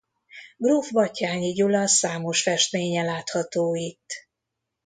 Gróf Batthyány Gyula számos festménye látható itt.